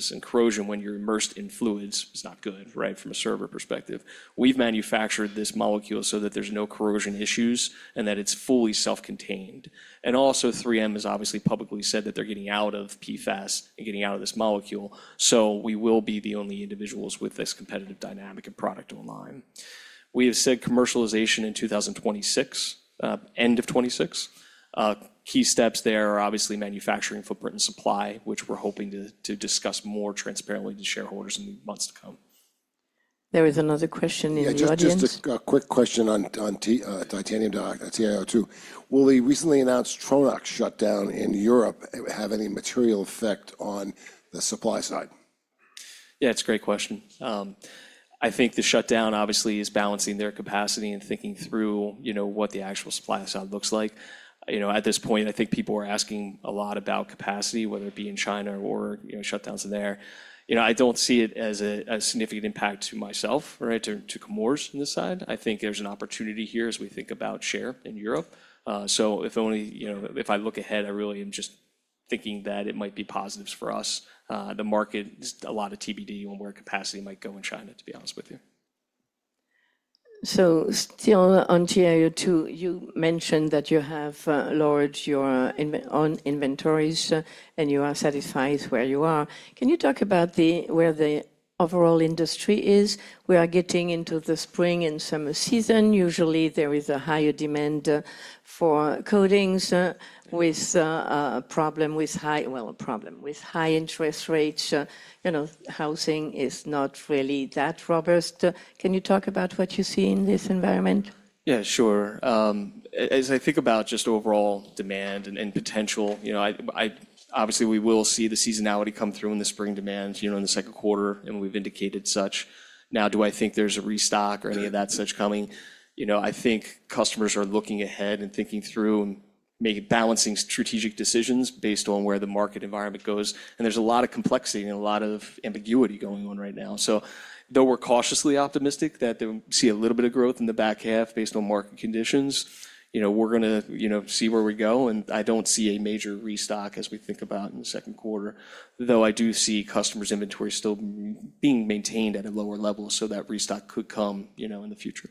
Areas, and corrosion when you're immersed in fluids is not good, right, from a server perspective. We've manufactured this molecule so that there's no corrosion issues and that it's fully self-contained. 3M has obviously publicly said that they're getting out of PFAS and getting out of this molecule, so we will be the only individuals with this competitive dynamic and product online. We have said commercialization in 2026, end of 2026. Key steps there are obviously manufacturing footprint and supply, which we're hoping to discuss more transparently to shareholders in the months to come. There is another question in the audience. Just a quick question on titanium dioxide, TiO2. Will the recently announced Tronox shutdown in Europe have any material effect on the supply side? Yeah, it's a great question. I think the shutdown obviously is balancing their capacity and thinking through what the actual supply side looks like. At this point, I think people are asking a lot about capacity, whether it be in China or shutdowns in there. I don't see it as a significant impact to myself, right, to Commerce on this side. I think there's an opportunity here as we think about share in Europe. If only if I look ahead, I really am just thinking that it might be positives for us. The market, a lot of TBD on where capacity might go in China, to be honest with you. Still on TiO2, you mentioned that you have lowered your own inventories and you are satisfied where you are. Can you talk about where the overall industry is? We are getting into the spring and summer season. Usually, there is a higher demand for coatings with a problem with high, well, a problem with high interest rates. Housing is not really that robust. Can you talk about what you see in this environment? Yeah, sure. As I think about just overall demand and potential, obviously, we will see the seasonality come through in the spring demand in the second quarter, and we've indicated such. Now, do I think there's a restock or any of that such coming? I think customers are looking ahead and thinking through and maybe balancing strategic decisions based on where the market environment goes. There is a lot of complexity and a lot of ambiguity going on right now. Though we're cautiously optimistic that we see a little bit of growth in the back half based on market conditions, we're going to see where we go. I don't see a major restock as we think about in the second quarter, though I do see customers' inventory still being maintained at a lower level, so that restock could come in the future.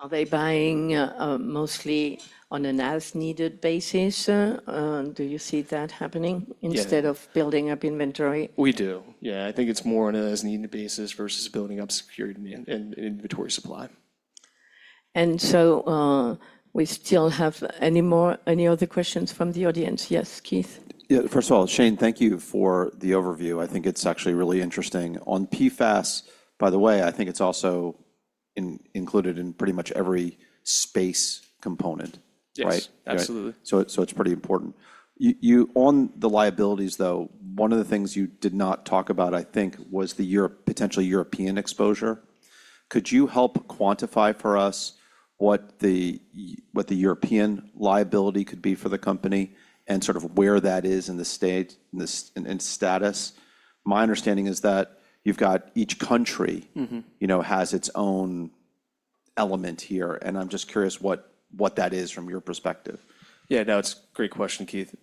Are they buying mostly on an as-needed basis? Do you see that happening instead of building up inventory? We do, yeah. I think it's more on an as-needed basis versus building up security and inventory supply. Do we still have any other questions from the audience? Yes, Keith? Yeah, first of all, Shane, thank you for the overview. I think it's actually really interesting. On PFAS, by the way, I think it's also included in pretty much every space component, right? Yes, absolutely. It's pretty important. On the liabilities, though, one of the things you did not talk about, I think, was the potential European exposure. Could you help quantify for us what the European liability could be for the company and sort of where that is in the state and status? My understanding is that you've got each country has its own element here. I'm just curious what that is from your perspective. Yeah, no, it's a great question, Keith.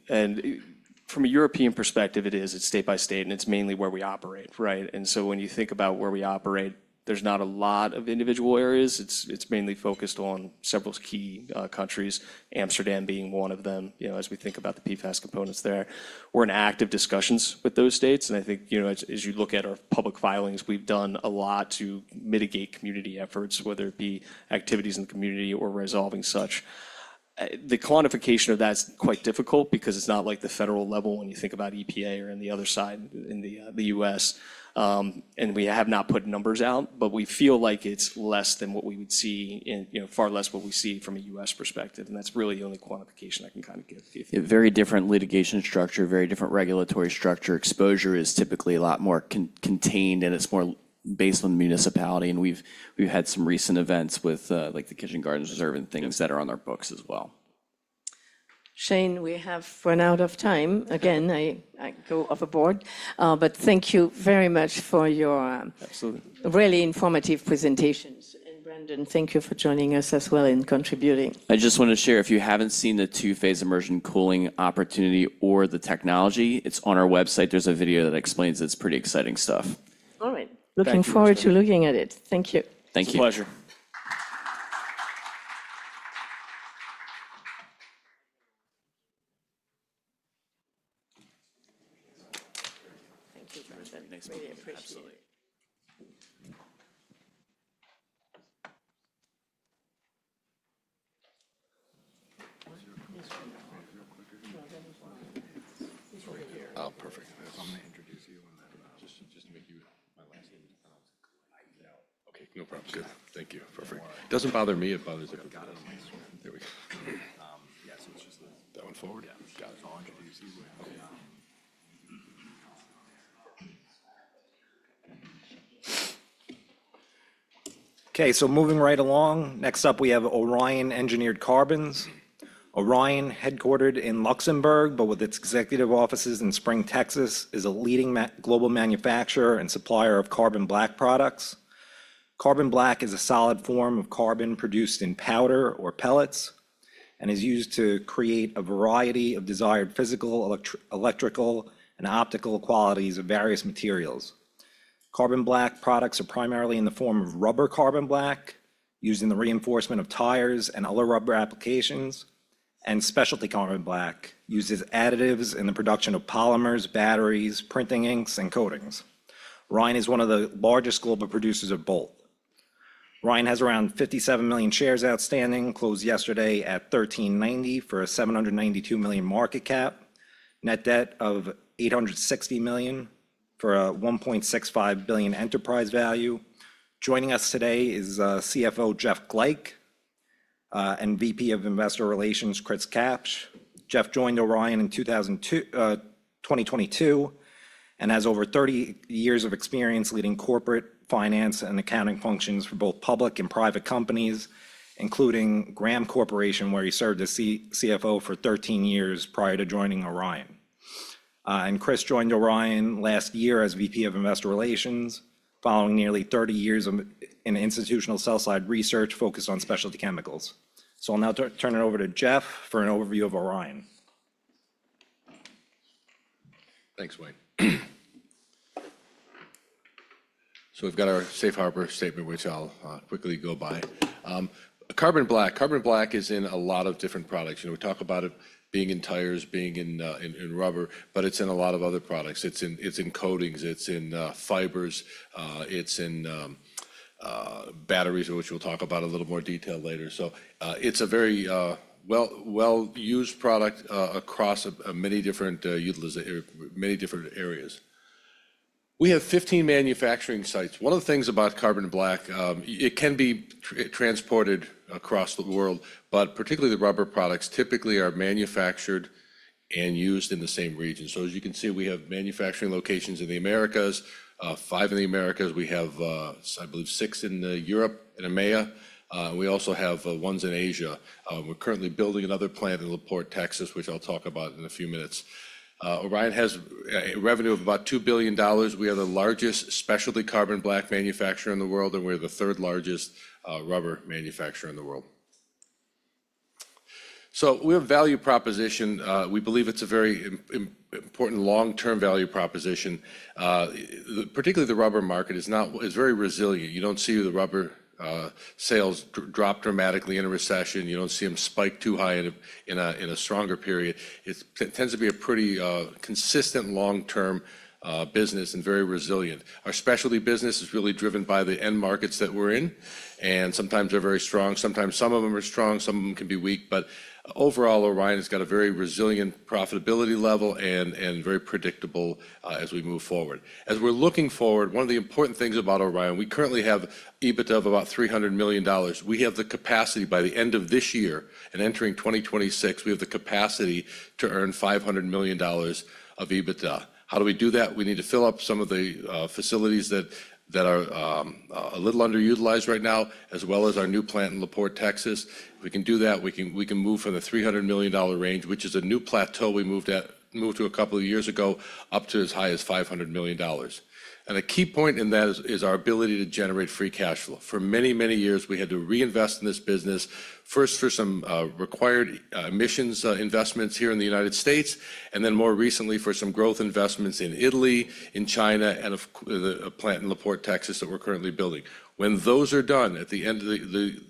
From a European perspective, it is. It's state by state, and it's mainly where we operate, right? When you think about where we operate, there's not a lot of individual areas. It's mainly focused on several key countries, Amsterdam being one of them as we think about the PFAS components there. We're in active discussions with those states. I think as you look at our public filings, we've done a lot to mitigate community efforts, whether it be activities in the community or resolving such. The quantification of that is quite difficult because it's not like the federal level when you think about EPA or on the other side in the U.S. We have not put numbers out, but we feel like it's less than what we would see, far less what we see from a U.S. perspective. That's really the only quantification I can kind of give. Very different litigation structure, very different regulatory structure. Exposure is typically a lot more contained, and it's more based on municipality. We have had some recent events with the Kitchen Gardens Reserve and things that are on our books as well. Shane, we have run out of time. Again, I go off a board. Thank you very much for your really informative presentations. Brandon, thank you for joining us as well in contributing. I just want to share, if you haven't seen the two-phase immersion cooling opportunity or the technology, it's on our website. There's a video that explains it's pretty exciting stuff. All right. Looking forward to looking at it. Thank you. Thank you. It's a pleasure. Thank you, Brandon. Really appreciate it. Oh, perfect. I'm going to introduce you. Just to make you my last name. Okay, no problem. Good. Thank you. Perfect. Doesn't bother me. It bothers everybody. There we go. Yeah, so it's just that one forward. Yeah, got it. I'll introduce you. Okay, so moving right along, next up, we have Orion Engineered Carbons. Orion, headquartered in Luxembourg, but with its executive offices in Spring, Texas, is a leading global manufacturer and supplier of Carbon Black products. Carbon Black is a solid form of carbon produced in powder or pellets and is used to create a variety of desired physical, electrical, and optical qualities of various materials. Carbon Black products are primarily in the form of rubber carbon black used in the reinforcement of tires and other rubber applications, and specialty carbon black used as additives in the production of polymers, batteries, printing inks, and coatings. Orion is one of the largest global producers of both. Orion has around 57 million shares outstanding, closed yesterday at $13.90 for a $792 million market cap, net debt of $860 million for a $1.65 billion enterprise value. Joining us today is CFO Jeff Glajch and VP of Investor Relations, Chris Kapsch. Jeff joined Orion in 2022 and has over 30 years of experience leading corporate finance and accounting functions for both public and private companies, including Graham Corporation, where he served as CFO for 13 years prior to joining Orion. Chris joined Orion last year as VP of Investor Relations, following nearly 30 years in institutional sell-side research focused on specialty chemicals. I will now turn it over to Jeff for an overview of Orion. Thanks, Wayne. We've got our safe harbor statement, which I'll quickly go by. Carbon Black is in a lot of different products. We talk about it being in tires, being in rubber, but it's in a lot of other products. It's in coatings. It's in fibers. It's in batteries, which we'll talk about in a little more detail later. It's a very well-used product across many different areas. We have 15 manufacturing sites. One of the things about Carbon Black, it can be transported across the world, but particularly the rubber products typically are manufactured and used in the same region. As you can see, we have manufacturing locations in the Americas, five in the Americas. I believe we have six in Europe and EMEA. We also have ones in Asia. We're currently building another plant in La Porte, Texas, which I'll talk about in a few minutes. Orion has a revenue of about $2 billion. We are the largest specialty carbon black manufacturer in the world, and we're the third largest rubber manufacturer in the world. We have value proposition. We believe it's a very important long-term value proposition. Particularly, the rubber market is very resilient. You don't see the rubber sales drop dramatically in a recession. You don't see them spike too high in a stronger period. It tends to be a pretty consistent long-term business and very resilient. Our specialty business is really driven by the end markets that we're in. Sometimes they're very strong. Sometimes some of them are strong. Some of them can be weak. Overall, Orion has got a very resilient profitability level and very predictable as we move forward. As we're looking forward, one of the important things about Orion, we currently have EBITDA of about $300 million. We have the capacity by the end of this year and entering 2026, we have the capacity to earn $500 million of EBITDA. How do we do that? We need to fill up some of the facilities that are a little underutilized right now, as well as our new plant in La Porte, Texas. If we can do that, we can move from the $300 million range, which is a new plateau we moved to a couple of years ago, up to as high as $500 million. A key point in that is our ability to generate free cash flow. For many, many years, we had to reinvest in this business, first for some required emissions investments here in the U.S., and then more recently for some growth investments in Italy, in China, and the plant in La Porte, Texas, that we're currently building. When those are done, at the end,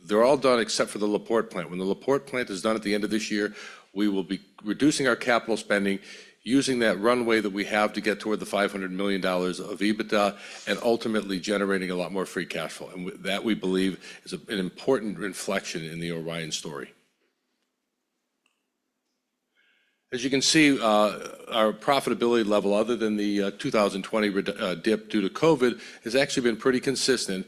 they're all done except for the La Porte plant. When the La Porte plant is done at the end of this year, we will be reducing our capital spending, using that runway that we have to get toward the $500 million of EBITDA, and ultimately generating a lot more free cash flow. That, we believe, is an important inflection in the Orion story. As you can see, our profitability level, other than the 2020 dip due to COVID, has actually been pretty consistent.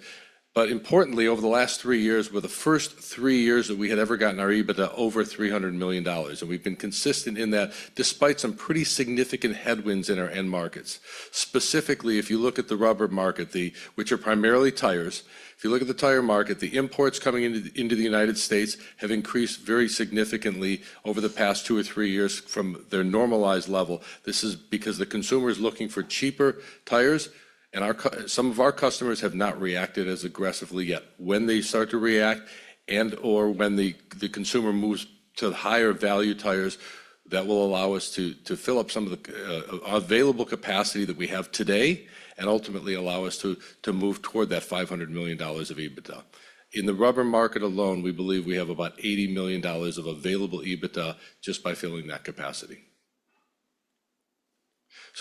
Importantly, over the last three years were the first three years that we had ever gotten our EBITDA over $300 million. We've been consistent in that despite some pretty significant headwinds in our end markets. Specifically, if you look at the rubber market, which are primarily tires, if you look at the tire market, the imports coming into the United States have increased very significantly over the past two or three years from their normalized level. This is because the consumer is looking for cheaper tires. Some of our customers have not reacted as aggressively yet. When they start to react and/or when the consumer moves to higher value tires, that will allow us to fill up some of the available capacity that we have today and ultimately allow us to move toward that $500 million of EBITDA. In the rubber market alone, we believe we have about $80 million of available EBITDA just by filling that capacity.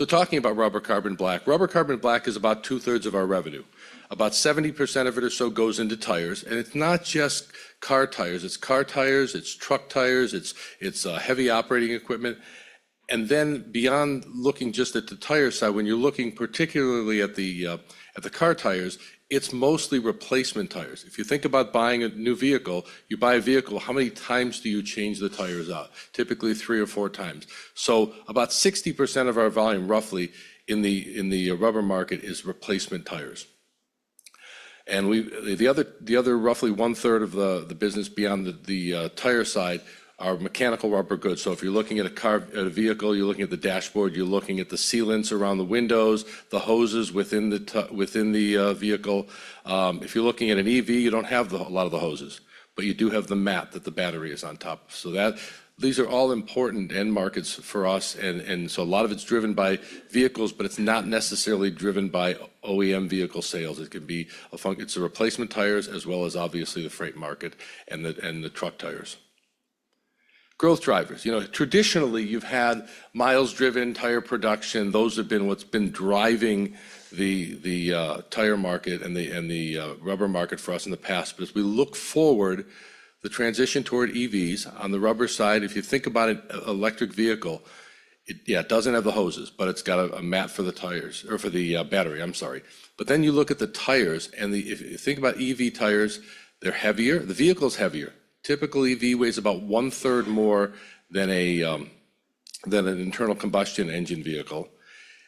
Talking about rubber carbon black, rubber carbon black is about two-thirds of our revenue. About 70% of it or so goes into tires. It is not just car tires. It is car tires. It is truck tires. It is heavy operating equipment. Beyond looking just at the tire side, when you are looking particularly at the car tires, it is mostly replacement tires. If you think about buying a new vehicle, you buy a vehicle, how many times do you change the tires out? Typically, three or four times. About 60% of our volume, roughly, in the rubber market is replacement tires. The other roughly one-third of the business beyond the tire side are mechanical rubber goods. If you are looking at a vehicle, you are looking at the dashboard, you are looking at the sealants around the windows, the hoses within the vehicle. If you are looking at an EV, you do not have a lot of the hoses, but you do have the mat that the battery is on top of. These are all important end markets for us. A lot of it is driven by vehicles, but it is not necessarily driven by OEM vehicle sales. It could be a function. It is the replacement tires as well as, obviously, the freight market and the truck tires. Growth drivers. Traditionally, you have had miles-driven tire production. Those have been what has been driving the tire market and the rubber market for us in the past. As we look forward, the transition toward EVs on the rubber side, if you think about an electric vehicle, yeah, it does not have the hoses, but it has got a mat for the tires or for the battery, I am sorry. You look at the tires. If you think about EV tires, they are heavier. The vehicle is heavier. Typically, EV weighs about one-third more than an internal combustion engine vehicle.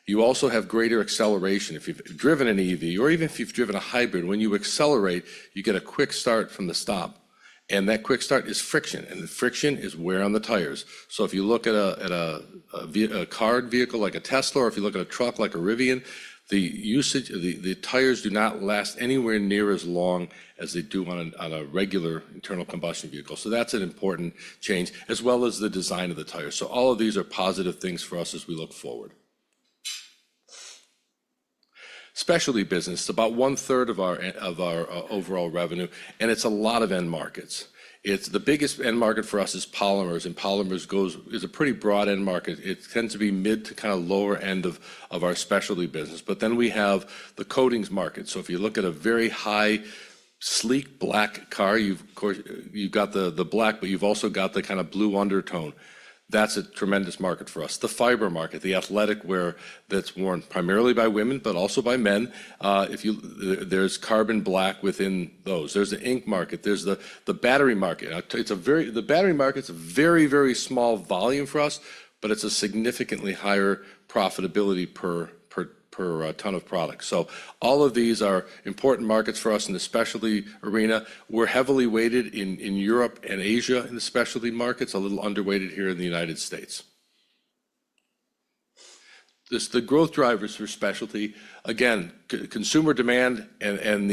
You also have greater acceleration if you've driven an EV or even if you've driven a hybrid. When you accelerate, you get a quick start from the stop. That quick start is friction. The friction is wear on the tires. If you look at a car vehicle like a Tesla or if you look at a truck like a Rivian, the tires do not last anywhere near as long as they do on a regular internal combustion vehicle. That is an important change, as well as the design of the tires. All of these are positive things for us as we look forward. Specialty business, it's about one-third of our overall revenue. It's a lot of end markets. The biggest end market for us is polymers. Polymers is a pretty broad end market. It tends to be mid to kind of lower end of our specialty business. We have the coatings market. If you look at a very high, sleek black car, you've got the black, but you've also got the kind of blue undertone. That's a tremendous market for us. The fiber market, the athletic wear that's worn primarily by women, but also by men. There's carbon black within those. There's the ink market. There's the battery market. The battery market's a very, very small volume for us, but it's a significantly higher profitability per ton of product. All of these are important markets for us in the specialty arena. We're heavily weighted in Europe and Asia in the specialty markets, a little underweighted here in the United States. The growth drivers for specialty, again, consumer demand and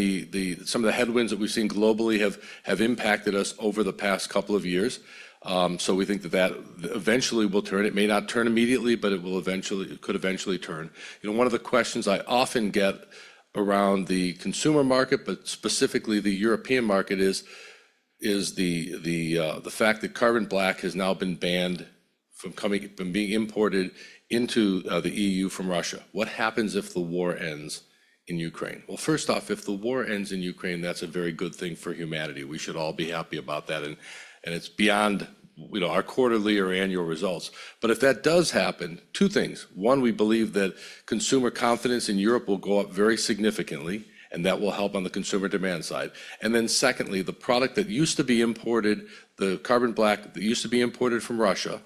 some of the headwinds that we've seen globally have impacted us over the past couple of years. We think that that eventually will turn. It may not turn immediately, but it could eventually turn. One of the questions I often get around the consumer market, but specifically the European market, is the fact that carbon black has now been banned from being imported into the EU from Russia. What happens if the war ends in Ukraine? First off, if the war ends in Ukraine, that's a very good thing for humanity. We should all be happy about that. It is beyond our quarterly or annual results. If that does happen, two things. One, we believe that consumer confidence in Europe will go up very significantly, and that will help on the consumer demand side. Secondly, the product that used to be imported, the carbon black that used to be imported from Russia,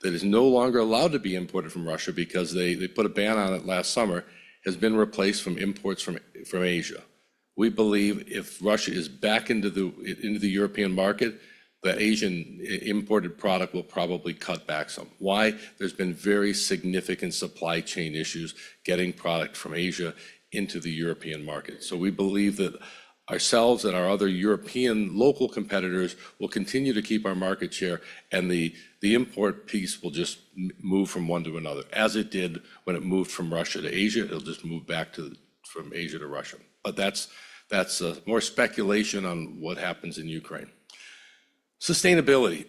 that is no longer allowed to be imported from Russia because they put a ban on it last summer, has been replaced from imports from Asia. We believe if Russia is back into the European market, the Asian imported product will probably cut back some. Why? There have been very significant supply chain issues getting product from Asia into the European market. We believe that ourselves and our other European local competitors will continue to keep our market share, and the import piece will just move from one to another. As it did when it moved from Russia to Asia, it will just move back from Asia to Russia. That is more speculation on what happens in Ukraine. Sustainability.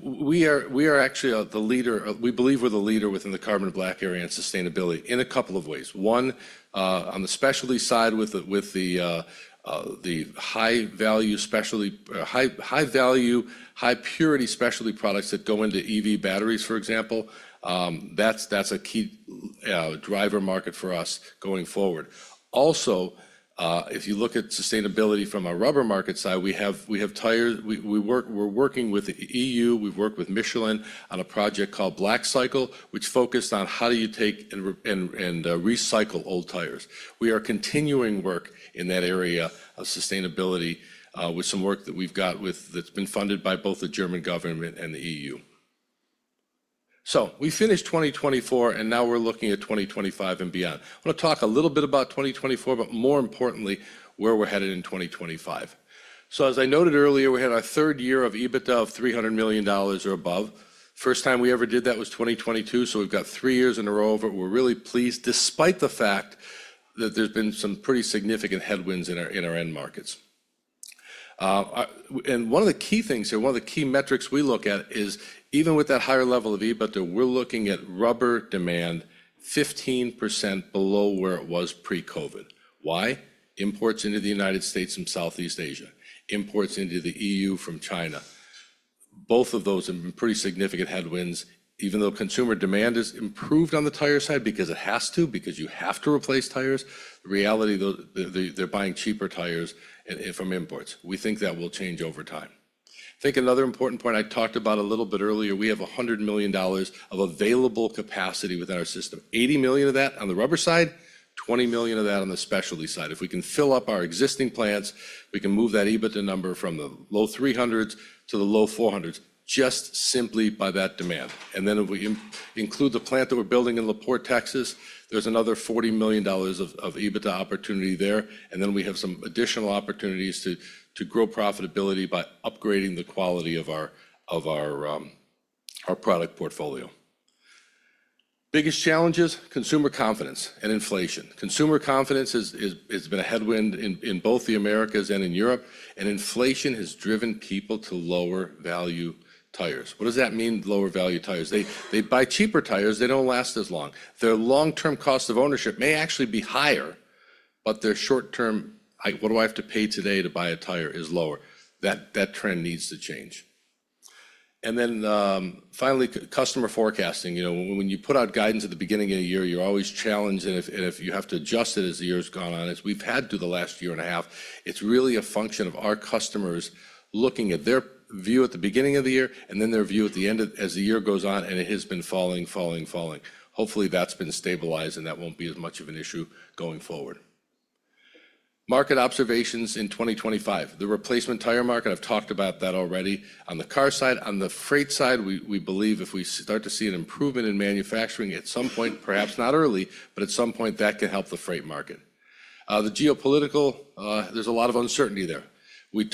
We are actually the leader, we believe we're the leader within the carbon black area and sustainability in a couple of ways. One, on the specialty side with the high-value, high-purity specialty products that go into EV batteries, for example, that's a key driver market for us going forward. Also, if you look at sustainability from a rubber market side, we have tires. We're working with the EU. We've worked with Michelin on a project called BlackCycle, which focused on how do you take and recycle old tires. We are continuing work in that area of sustainability with some work that we've got that's been funded by both the German government and the EU. We finished 2024, and now we're looking at 2025 and beyond. I want to talk a little bit about 2024, but more importantly, where we're headed in 2025. As I noted earlier, we had our third year of EBITDA of $300 million or above. First time we ever did that was 2022. We have three years in a row of it. We are really pleased, despite the fact that there have been some pretty significant headwinds in our end markets. One of the key things here, one of the key metrics we look at is, even with that higher level of EBITDA, we are looking at rubber demand 15% below where it was pre-COVID. Why? Imports into the United States from Southeast Asia, imports into the EU from China. Both of those have been pretty significant headwinds, even though consumer demand has improved on the tire side because it has to, because you have to replace tires. The reality, they are buying cheaper tires from imports. We think that will change over time. I think another important point I talked about a little bit earlier, we have $100 million of available capacity within our system. $80 million of that on the rubber side, $20 million of that on the specialty side. If we can fill up our existing plants, we can move that EBITDA number from the low 300s to the low 400s just simply by that demand. If we include the plant that we're building in La Porte, Texas, there's another $40 million of EBITDA opportunity there. We have some additional opportunities to grow profitability by upgrading the quality of our product portfolio. Biggest challenges, consumer confidence and inflation. Consumer confidence has been a headwind in both the Americas and in Europe. Inflation has driven people to lower-value tires. What does that mean, lower-value tires? They buy cheaper tires. They don't last as long. Their long-term cost of ownership may actually be higher, but their short-term, "What do I have to pay today to buy a tire?" is lower. That trend needs to change. Finally, customer forecasting. When you put out guidance at the beginning of the year, you're always challenged. If you have to adjust it as the year has gone on, as we've had to the last year and a half, it's really a function of our customers looking at their view at the beginning of the year and then their view at the end as the year goes on. It has been falling, falling, falling. Hopefully, that's been stabilized, and that won't be as much of an issue going forward. Market observations in 2025. The replacement tire market, I've talked about that already. On the car side, on the freight side, we believe if we start to see an improvement in manufacturing at some point, perhaps not early, but at some point, that can help the freight market. The geopolitical, there's a lot of uncertainty there. I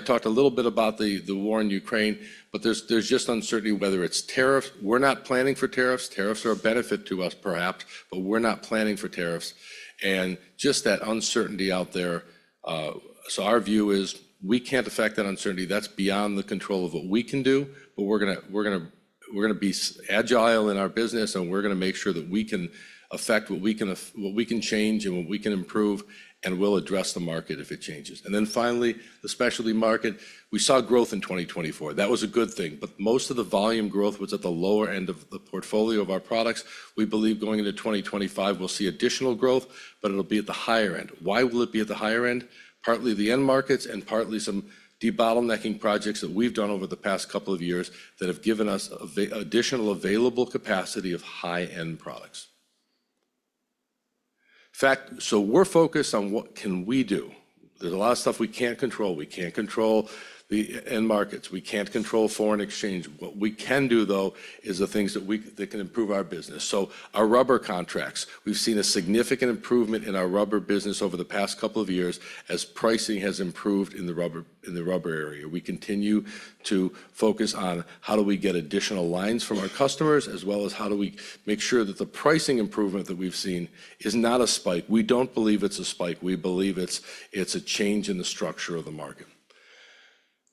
talked a little bit about the war in Ukraine, but there's just uncertainty whether it's tariffs. We're not planning for tariffs. Tariffs are a benefit to us, perhaps, but we're not planning for tariffs. That uncertainty is out there. Our view is we can't affect that uncertainty. That's beyond the control of what we can do. We're going to be agile in our business, and we're going to make sure that we can affect what we can change and what we can improve, and we'll address the market if it changes. Finally, the specialty market, we saw growth in 2024. That was a good thing. Most of the volume growth was at the lower end of the portfolio of our products. We believe going into 2025, we'll see additional growth, but it'll be at the higher end. Why will it be at the higher end? Partly the end markets and partly some debottlenecking projects that we've done over the past couple of years that have given us additional available capacity of high-end products. We're focused on what can we do. There's a lot of stuff we can't control. We can't control the end markets. We can't control foreign exchange. What we can do, though, is the things that can improve our business. Our rubber contracts, we've seen a significant improvement in our rubber business over the past couple of years as pricing has improved in the rubber area. We continue to focus on how do we get additional lines from our customers, as well as how do we make sure that the pricing improvement that we've seen is not a spike. We don't believe it's a spike. We believe it's a change in the structure of the market.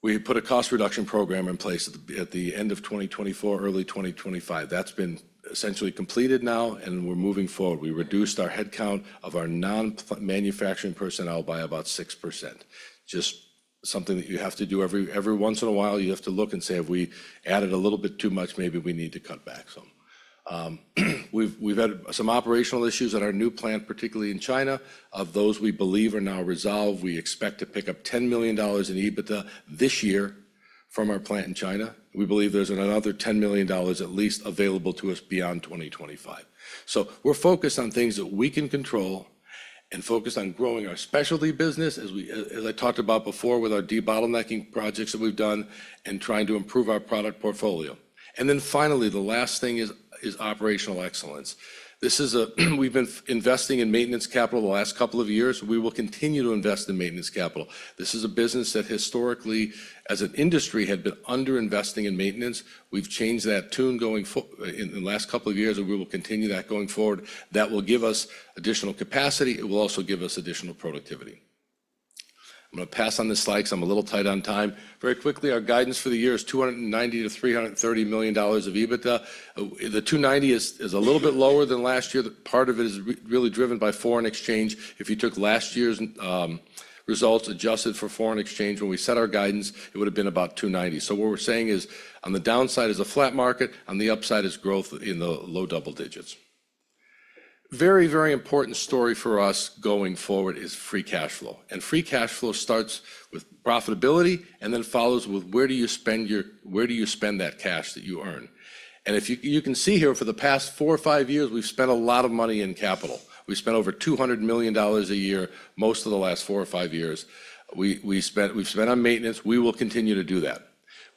We put a cost reduction program in place at the end of 2024, early 2025. That's been essentially completed now, and we're moving forward. We reduced our headcount of our non-manufacturing personnel by about 6%. Just something that you have to do every once in a while. You have to look and say, "Have we added a little bit too much? Maybe we need to cut back some." We've had some operational issues at our new plant, particularly in China. Of those we believe are now resolved, we expect to pick up $10 million in EBITDA this year from our plant in China. We believe there is another $10 million at least available to us beyond 2025. We are focused on things that we can control and focused on growing our specialty business, as I talked about before with our debottlenecking projects that we have done and trying to improve our product portfolio. Finally, the last thing is operational excellence. We have been investing in maintenance capital the last couple of years. We will continue to invest in maintenance capital. This is a business that historically, as an industry, had been underinvesting in maintenance. We have changed that tune in the last couple of years, and we will continue that going forward. That will give us additional capacity. It will also give us additional productivity. I'm going to pass on the slides because I'm a little tight on time. Very quickly, our guidance for the year is $290-$330 million of EBITDA. The $290 is a little bit lower than last year. Part of it is really driven by foreign exchange. If you took last year's results adjusted for foreign exchange, when we set our guidance, it would have been about $290. What we're saying is on the downside is a flat market. On the upside is growth in the low double digits. Very, very important story for us going forward is free cash flow. Free cash flow starts with profitability and then follows with where do you spend that cash that you earn. You can see here for the past four or five years, we've spent a lot of money in capital. We've spent over $200 million a year most of the last four or five years. We've spent on maintenance. We will continue to do that.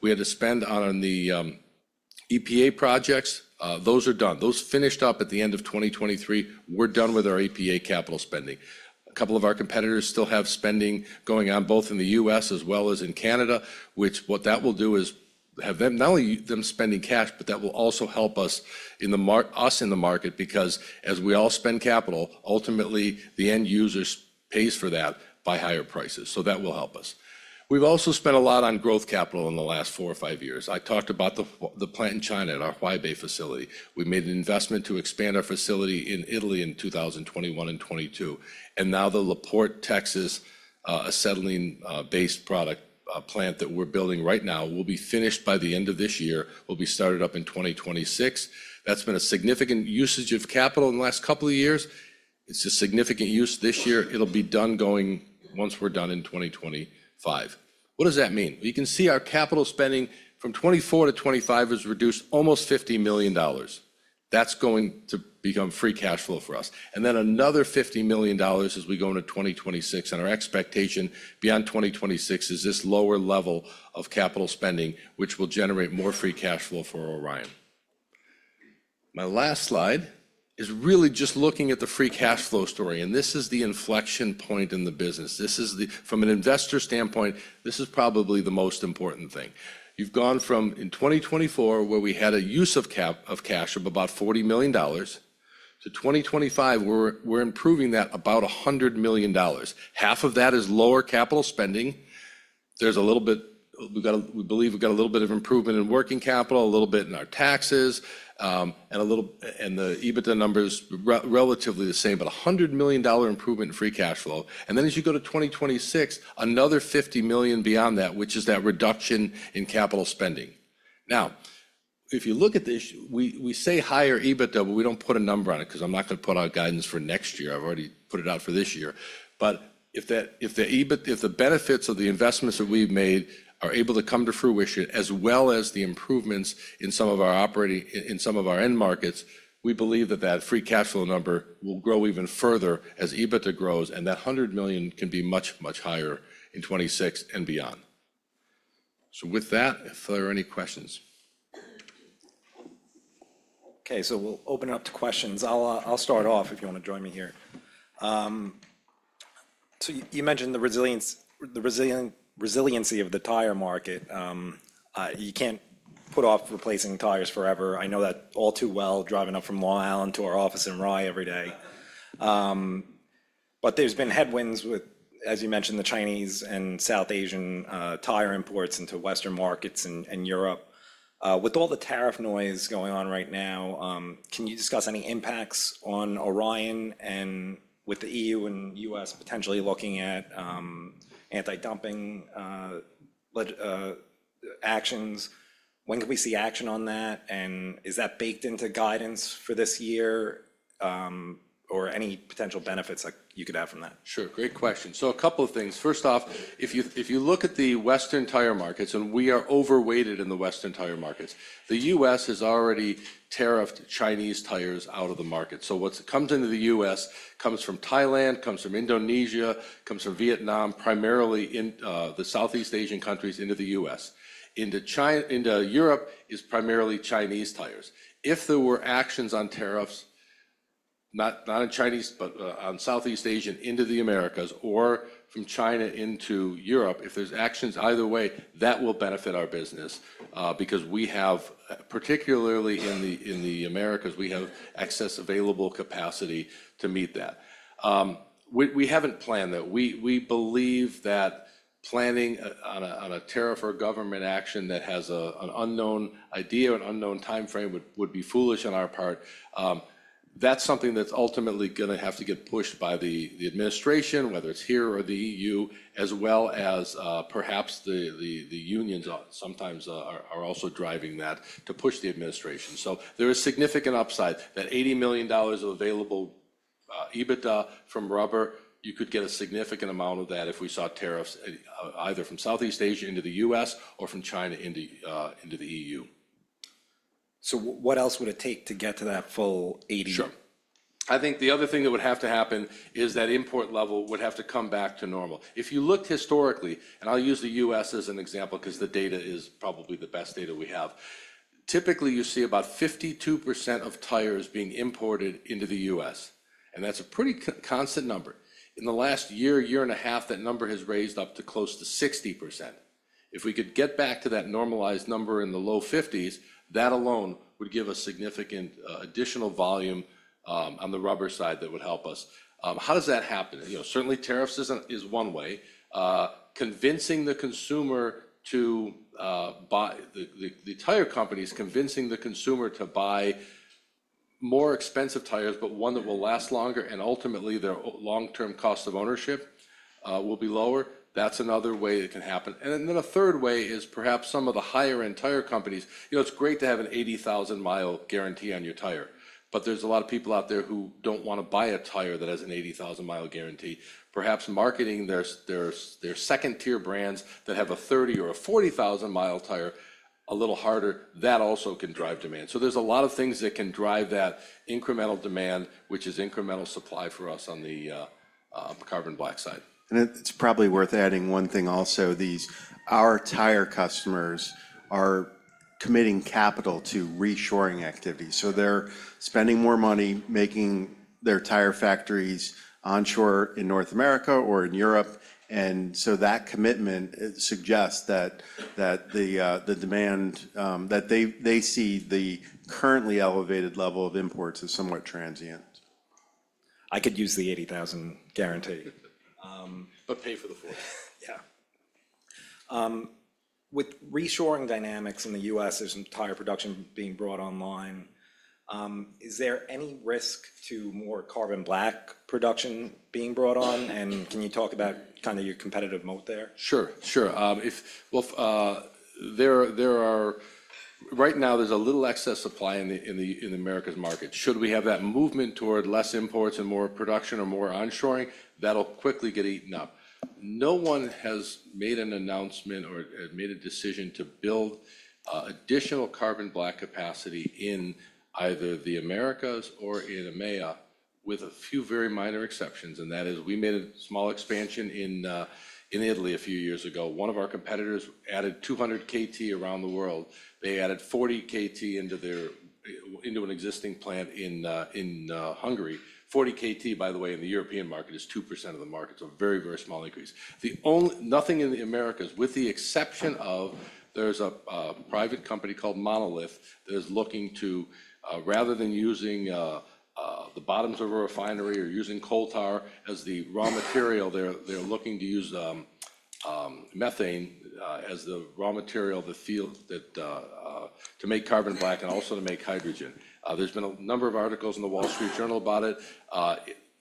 We had to spend on the EPA projects. Those are done. Those finished up at the end of 2023. We're done with our EPA capital spending. A couple of our competitors still have spending going on both in the U.S. as well as in Canada, which what that will do is have not only them spending cash, but that will also help us in the market because as we all spend capital, ultimately the end user pays for that by higher prices. That will help us. We've also spent a lot on growth capital in the last four or five years. I talked about the plant in China at our Huaibei facility. We made an investment to expand our facility in Italy in 2021 and 2022. Now the La Porte, Texas, a settling-based product plant that we're building right now will be finished by the end of this year. It will be started up in 2026. That's been a significant usage of capital in the last couple of years. It's a significant use this year. It'll be done once we're done in 2025. What does that mean? You can see our capital spending from 2024 to 2025 has reduced almost $50 million. That's going to become free cash flow for us. Then another $50 million as we go into 2026. Our expectation beyond 2026 is this lower level of capital spending, which will generate more free cash flow for Orion. My last slide is really just looking at the free cash flow story. This is the inflection point in the business. From an investor standpoint, this is probably the most important thing. You've gone from in 2024, where we had a use of cash of about $40 million, to 2025, we're improving that about $100 million. Half of that is lower capital spending. There's a little bit we believe we've got a little bit of improvement in working capital, a little bit in our taxes, and the EBITDA number is relatively the same, but $100 million improvement in free cash flow. As you go to 2026, another $50 million beyond that, which is that reduction in capital spending. Now, if you look at this, we say higher EBITDA, but we don't put a number on it because I'm not going to put out guidance for next year. I've already put it out for this year. If the benefits of the investments that we've made are able to come to fruition, as well as the improvements in some of our end markets, we believe that that free cash flow number will grow even further as EBITDA grows. That $100 million can be much, much higher in 2026 and beyond. If there are any questions. Okay, we'll open it up to questions. I'll start off if you want to join me here. You mentioned the resiliency of the tire market. You can't put off replacing tires forever. I know that all too well, driving up from Long Island to our office in Rye every day. There's been headwinds with, as you mentioned, the Chinese and South Asian tire imports into Western markets and Europe. With all the tariff noise going on right now, can you discuss any impacts on Orion and with the EU and US potentially looking at anti-dumping actions? When can we see action on that? Is that baked into guidance for this year or any potential benefits that you could have from that? Sure. Great question. A couple of things. First off, if you look at the Western tire markets, and we are overweighted in the Western tire markets, the US has already tariffed Chinese tires out of the market. What comes into the US comes from Thailand, comes from Indonesia, comes from Vietnam, primarily in the Southeast Asian countries into the US. Into Europe is primarily Chinese tires. If there were actions on tariffs, not on Chinese, but on Southeast Asian into the Americas or from China into Europe, if there's actions either way, that will benefit our business because we have, particularly in the Americas, we have excess available capacity to meet that. We haven't planned that. We believe that planning on a tariff or government action that has an unknown idea, an unknown timeframe, would be foolish on our part. That is something that is ultimately going to have to get pushed by the administration, whether it is here or the EU, as well as perhaps the unions sometimes are also driving that to push the administration. There is significant upside that $80 million of available EBITDA from rubber, you could get a significant amount of that if we saw tariffs either from Southeast Asia into the US or from China into the EU. What else would it take to get to that full 80? Sure. I think the other thing that would have to happen is that import level would have to come back to normal. If you looked historically, and I'll use the U.S. as an example because the data is probably the best data we have, typically you see about 52% of tires being imported into the U.S. And that's a pretty constant number. In the last year, year and a half, that number has raised up to close to 60%. If we could get back to that normalized number in the low 50s, that alone would give us significant additional volume on the rubber side that would help us. How does that happen? Certainly, tariffs is one way. Convincing the consumer to buy the tire companies, convincing the consumer to buy more expensive tires, but one that will last longer and ultimately their long-term cost of ownership will be lower. That's another way it can happen. A third way is perhaps some of the higher-end tire companies. It's great to have an 80,000-mile guarantee on your tire, but there's a lot of people out there who don't want to buy a tire that has an 80,000-mile guarantee. Perhaps marketing their second-tier brands that have a 30- or a 40,000-mile tire a little harder, that also can drive demand. There are a lot of things that can drive that incremental demand, which is incremental supply for us on the carbon black side. It's probably worth adding one thing also. Our tire customers are committing capital to reshoring activity. They're spending more money making their tire factories onshore in North America or in Europe. That commitment suggests that the demand that they see, the currently elevated level of imports, is somewhat transient. I could use the 80,000 guarantee but pay for the 40. Yeah. With reshoring dynamics in the U.S., there's some tire production being brought online. Is there any risk to more carbon black production being brought on? Can you talk about kind of your competitive moat there? Sure. Sure. Right now, there's a little excess supply in America's market. Should we have that movement toward less imports and more production or more onshoring, that'll quickly get eaten up. No one has made an announcement or made a decision to build additional carbon black capacity in either the Americas or in EMEA with a few very minor exceptions. We made a small expansion in Italy a few years ago. One of our competitors added 200 KT around the world. They added 40 KT into an existing plant in Hungary. 40 KT, by the way, in the European market is 2% of the market. Very, very small increase. Nothing in the Americas, with the exception of there's a private company called Monolith that is looking to, rather than using the bottoms of a refinery or using coal tar as the raw material, they're looking to use methane as the raw material to make carbon black and also to make hydrogen. There have been a number of articles in the Wall Street Journal about it.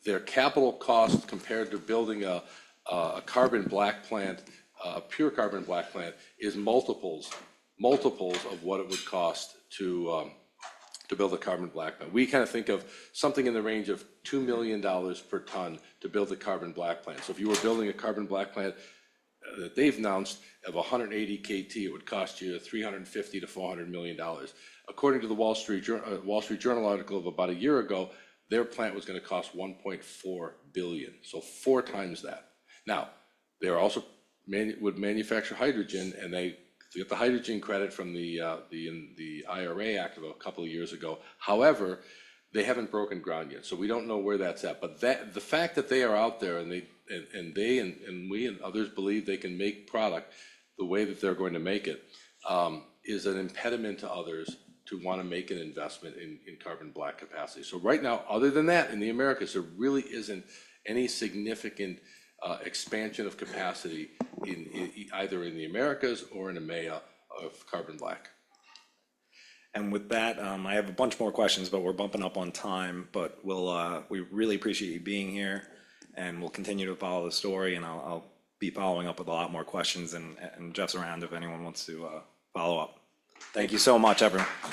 Their capital cost compared to building a pure carbon black plant is multiples of what it would cost to build a carbon black plant. We kind of think of something in the range of $2 million per ton to build a carbon black plant. If you were building a carbon black plant that they've announced of 180 KT, it would cost you $350-$400 million. According to the Wall Street Journal article of about a year ago, their plant was going to cost $1.4 billion. Four times that. They also would manufacture hydrogen, and they got the hydrogen credit from the IRA Act of a couple of years ago. However, they haven't broken ground yet. We don't know where that's at. The fact that they are out there and they and we and others believe they can make product the way that they're going to make it is an impediment to others to want to make an investment in carbon black capacity. Right now, other than that, in the Americas, there really is not any significant expansion of capacity either in the Americas or in EMEA of carbon black. With that, I have a bunch more questions, but we are bumping up on time. We really appreciate you being here. We will continue to follow the story. I will be following up with a lot more questions and just around if anyone wants to follow up. Thank you so much, everyone.